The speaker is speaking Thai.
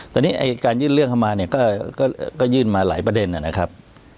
ตอนนี้การยื่นเรื่องเข้ามาเนี่ยก็ยื่นมาหลายประเด็นนะครับ